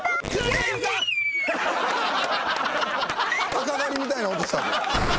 タカ狩りみたいな音したぞ。